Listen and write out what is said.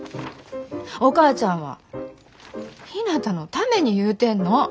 お母ちゃんはひなたのために言うてんの。